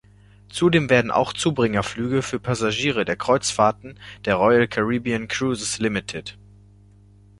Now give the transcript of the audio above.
Zudem werden auch Zubringerflüge für Passagiere der Kreuzfahrten der Royal Caribbean Cruises Ltd.